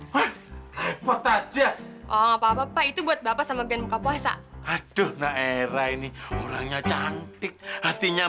hai hai pot aja oh apa apa itu buat bapak sama gen muka puasa aduh naera ini orangnya cantik hatinya